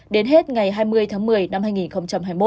đến hết ngày hai mươi tháng một mươi năm hai nghìn hai mươi một